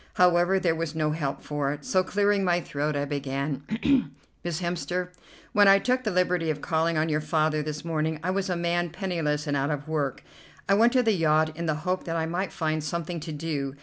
However, there was no help for it, so, clearing my throat, I began: "Miss Hemster, when I took the liberty of calling on your father this morning, I was a man penniless and out of work. I went to the yacht in the hope that I might find something to do.